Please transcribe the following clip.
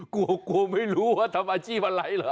กลัวกลัวไม่รู้ว่าทำอาชีพอะไรเหรอ